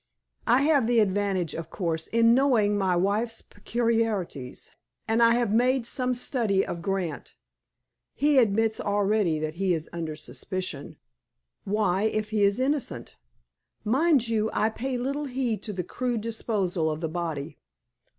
I have the advantage, of course, in knowing my wife's peculiarities. And I have made some study of Grant. He admits already that he is under suspicion. Why, if he is innocent? Mind you, I pay little heed to the crude disposal of the body.